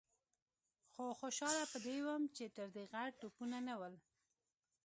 خو خوشاله په دې وم چې تر دې غټ توپونه نه ول.